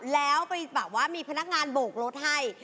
แล้วมีพนักงานโบกรถให้